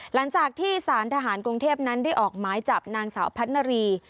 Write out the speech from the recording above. หลังจากที่สารทหารกรุงเทพนั้นได้ออกหมายจับนางสาวพัฒนารี